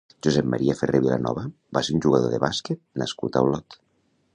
Josep Maria Ferrer Vilanova va ser un jugador de bàsquet nascut a Olot.